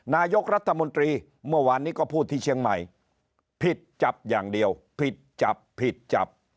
นายกรัฐมนตรีเมื่อวานนี้ก็พูดที่เชียงใหม่ผิดจับอย่างเดียวผิดจับผิดจับ